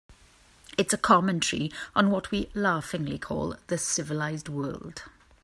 It's a commentary on what we laughingly call the civilized world.